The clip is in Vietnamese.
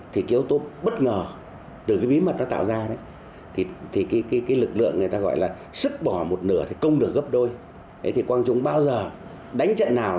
thì quang trung bao giờ đánh trận nào thì cũng giữ bí mật đến phút cuối cùng